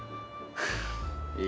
udah lulus s dua